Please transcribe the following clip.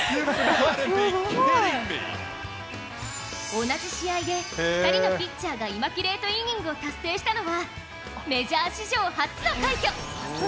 同じ試合で２人のピッチャーがイマキュレート・イニングを達成したのはメジャー史上初の快挙。